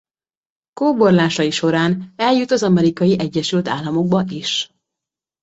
Kóborlásai során eljut az Amerikai Egyesült Államokba is.